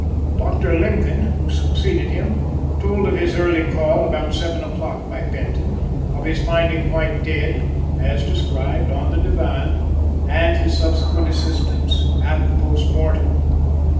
Dr. Lincoln, who succeeded him, told of his early call about seven o'clock by Benton; of his finding White dead, as described, on the divan, and his subsequent assistance at the post mortem.